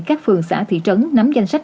các phường xã thị trấn nắm danh sách